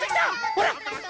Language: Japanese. ほら！